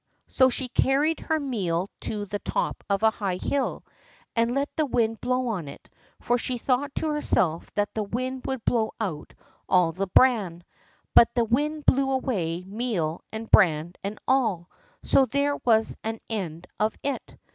So she carried her meal to the top of a high hill, and let the wind blow on it, for she thought to herself that the wind would blow out all the bran. But the wind blew away meal and bran and all—so there was an end of it.